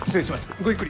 ごゆっくり。